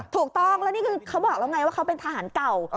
ถูกต้องแล้วนี่คือเขาบอกแล้วไงว่าเขาเป็นทหารเก่า